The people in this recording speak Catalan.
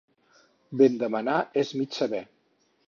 Ben demanar és mig saber.